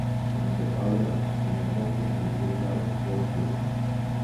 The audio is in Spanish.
Con el São Paulo marcó su primer gol contra el Rio Claro Futebol Clube.